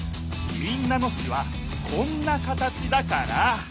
民奈野市はこんな形だから。